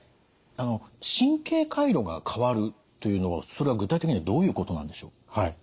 あの神経回路が変わるというのはそれは具体的にはどういうことなんでしょう？